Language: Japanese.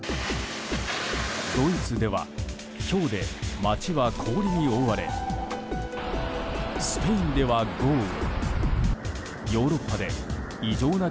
ドイツでは、ひょうで街は氷に覆われスペインでは豪雨。